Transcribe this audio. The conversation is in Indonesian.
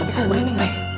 kok tapi kok begini plank